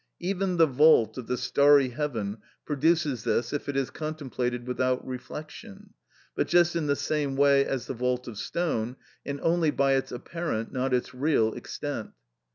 Even the vault of the starry heaven produces this if it is contemplated without reflection; but just in the same way as the vault of stone, and only by its apparent, not its real extent.